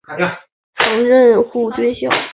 曾任护军校。